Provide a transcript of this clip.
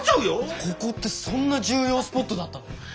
ここってそんな重要スポットだったの？